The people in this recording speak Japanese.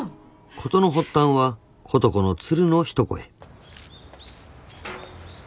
［事の発端は琴子の鶴の一声］